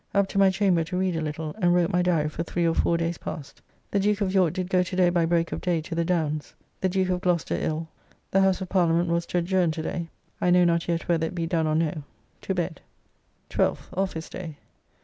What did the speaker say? Up to my chamber to read a little, and wrote my Diary for three or four days past. The Duke of York did go to day by break of day to the Downs. The Duke of Gloucester ill. The House of Parliament was to adjourn to day. I know not yet whether it be done or no. To bed. 12th (Office day).